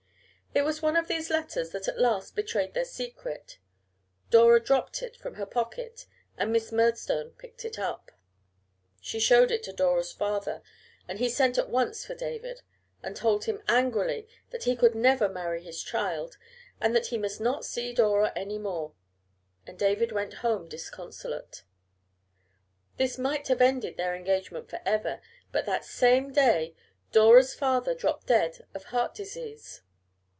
It was one of these letters that at last betrayed their secret. Dora dropped it from her pocket and Miss Murdstone picked it up. She showed it to Dora's father and he sent at once for David and told him angrily that he could never marry his child and that he must not see Dora any more. And David went home disconsolate. This might have ended their engagement for ever, but that same day Dora's father dropped dead of heart disease.